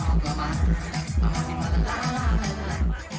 ไม่ชอบใครน้องมันชอบเรามา